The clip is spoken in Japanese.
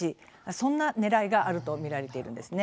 そんなねらいがあると見られているんですね。